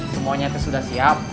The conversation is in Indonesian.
semuanya tuh sudah siap